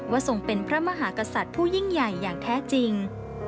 ทรงเป็นพระมหากษัตริย์ผู้ยิ่งใหญ่อย่างแท้จริง